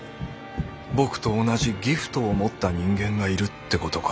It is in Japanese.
僕と同じギフトを持った人間がいるってことか。